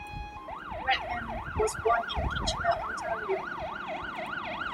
Redman was born in Kitchener, Ontario.